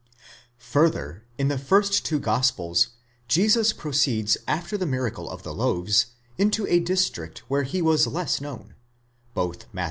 Further, in the first two gospels Jesus proceeds after the miracle of the loaves into a district where he was less known (both Matt.